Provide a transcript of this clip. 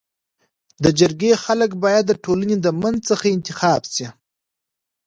د جرګي خلک بايد د ټولني د منځ څخه انتخاب سي.